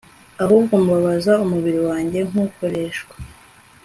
Ahubwo mbabaza umubiri wanjye nkawukoreshwa